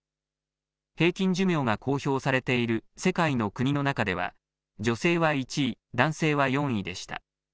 平均寿命が公表されている世界の国の中では女性は１位、男性は４位でした。